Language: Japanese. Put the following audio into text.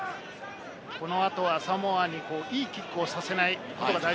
この後はサモアにいいキックをさせないことが大事。